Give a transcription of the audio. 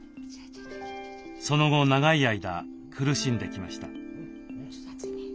その後長い間苦しんできました。